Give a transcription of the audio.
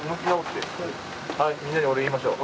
みんなにお礼言いましょう。